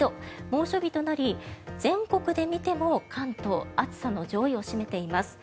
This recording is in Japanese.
猛暑日となり全国で見ても関東、暑さの上位を占めています。